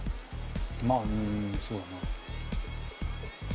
まあうんそうだな。